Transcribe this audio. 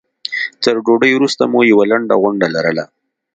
تر ډوډۍ وروسته مو یوه لنډه غونډه لرله.